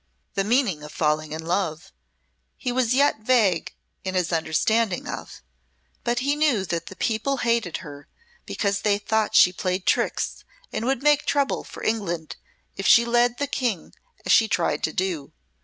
The meaning of "falling in love" he was yet vague in his understanding of, but he knew that the people hated her because they thought she played tricks and would make trouble for England if she led the King as she tried to do.